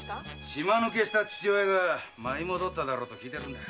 島抜けした父親が舞い戻っただろうと訊いてるんだ。